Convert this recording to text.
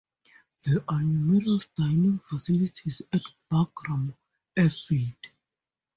There are numerous dining facilities at Bagram Airfield.